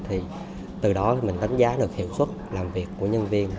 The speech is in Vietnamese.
thì từ đó mình đánh giá được hiệu suất làm việc của nhân viên